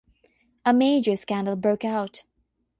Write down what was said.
A major scandal broke out.